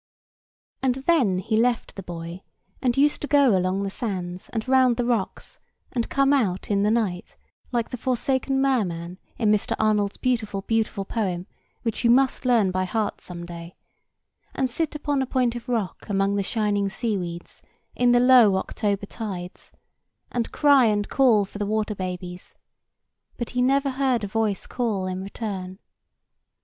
And then he left the buoy, and used to go along the sands and round the rocks, and come out in the night—like the forsaken Merman in Mr. Arnold's beautiful, beautiful poem, which you must learn by heart some day—and sit upon a point of rock, among the shining sea weeds, in the low October tides, and cry and call for the water babies; but he never heard a voice call in return.